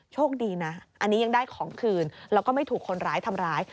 โชคดีนะอันนี้ยังได้ของคืนแล้วก็ไม่ถูกคนร้ายทำร้าย